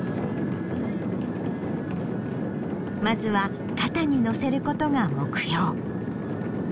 まずは肩にのせることが目標。